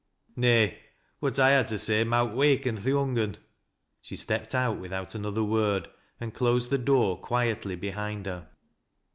"Nay. What I ha' to say mowt waken th' young un." She stepped out without another word, and closed the f^x*r quietly behind her..